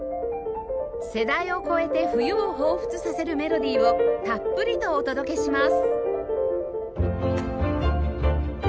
世代を超えて冬をほうふつさせるメロディーをたっぷりとお届けします